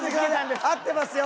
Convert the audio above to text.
合ってますよ！